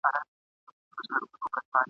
چي ماڼۍ د فرعونانو وه ولاړه !.